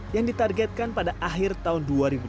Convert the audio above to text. yang ditargetkan pada akhir tahun dua ribu dua puluh